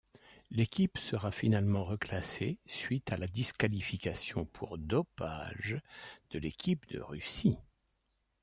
L'équipe sera finalement reclassée suite à la disqualification pour dopage de l'équipe de Russie.